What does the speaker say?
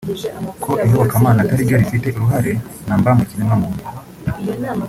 ko iyobokamana atari ryo rifite uruhare na mba ku kiremwa muntu